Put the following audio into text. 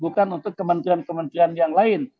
bukan untuk kementerian kementerian yang lain